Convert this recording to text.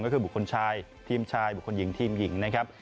ก็คือบุคคลชายทีมชายบุคคลหญิงทีมหญิงนะครับ